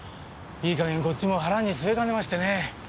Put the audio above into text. いい加減こっちも腹にすえかねましてね。